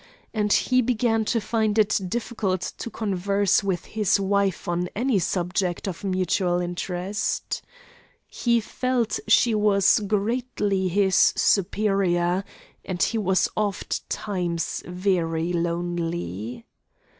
And he began to find it difficult to converse with his wife on any subject of mutual interest. He felt she was greatly his superior, and he was ofttimes very lonely.